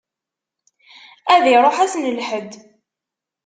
Ad iṛuḥ ass n lḥedd.